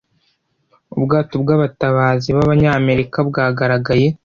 ubwato bw'abatabazi babanyamerika bwagaragaye